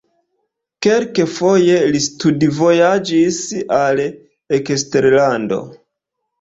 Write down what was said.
Kelkfoje li studvojaĝis al eksterlando.